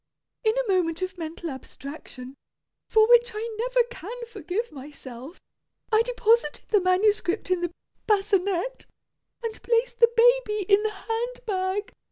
In a moment of mental abstraction, for which I never can forgive myself, I deposited the manuscript in the basinette, and placed the baby in the hand bag.